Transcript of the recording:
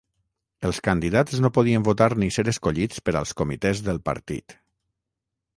Els candidats no podien votar ni ser escollits per als comitès del partit.